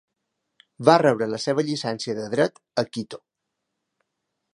Va rebre la seva llicència de dret a Quito.